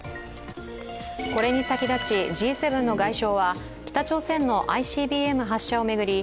これに先立ちＧ７の外相は北朝鮮のＩＣＢＭ発射を巡り